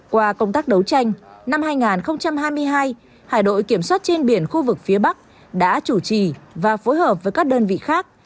qua công tác đấu tranh năm hai nghìn hai mươi hai hải đội kiểm soát trên biển khu vực phía bắc đã chủ trì và phối hợp với các đơn vị khác